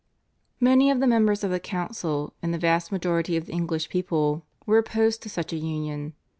Many of the members of the council and the vast majority of the English people were opposed to such a union.